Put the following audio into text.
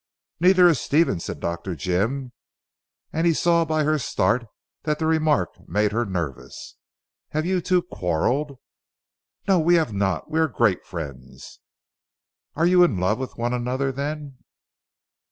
"Neither is Stephen," said Dr. Jim, and he saw by her start that the remark made her nervous. "Have you two quarrelled?" "No! we have not; we are great friends." "Are you in love with one another then?"